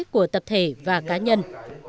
của tập thể và cá nhân